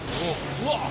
うわっ！